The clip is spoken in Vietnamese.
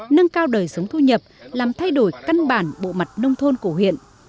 nâng cao đời sống thu nhập làm thay đổi căn bản bộ mặt nông thôn của huyện